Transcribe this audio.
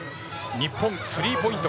日本、スリーポイント